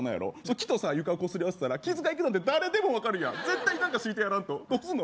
木と床をこすり合わせたら傷がいくなんて誰でも分かるやん絶対に何か敷いてやらんとどうすんの？